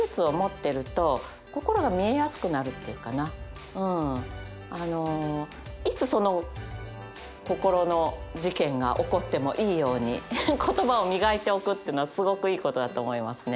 でもね結局そのいつその心の事件が起こってもいいように言葉を磨いておくっていうのはすごくいいことだと思いますね。